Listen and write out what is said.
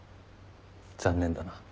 残念だな。